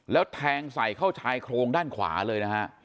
แล้วแทงใส่เข้าชายโครงด้านขวาเลยนะฮะ